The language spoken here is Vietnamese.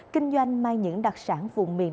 kinh doanh mang những đặc sản vùng miền